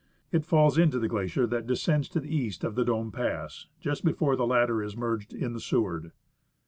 It falls into the glacier that descends to the east of the Dome Pass, just before the latter is merged in the Seward.